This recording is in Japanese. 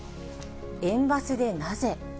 園バスでなぜ。